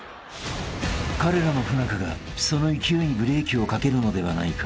［彼らの不仲がその勢いにブレーキをかけるのではないか］